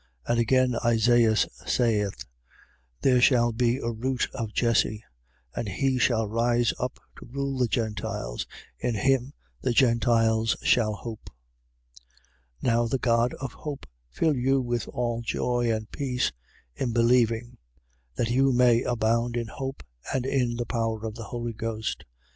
15:12. And again, Isaias saith: There shall be a root of Jesse; and he that shall rise up to rule the Gentiles, in him the Gentiles shall hope. 15:13. Now the God of hope fill you with all joy and peace in believing: that you may abound in hope and in the power of the Holy Ghost. 15:14.